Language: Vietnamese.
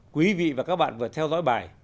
quý vị và các bạn vừa theo dõi bài